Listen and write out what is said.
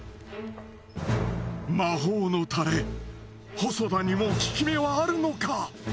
魔法のタレ細田にも効き目はあるのか？